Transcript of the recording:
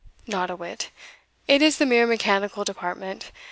not a whit it is the mere mechanical department.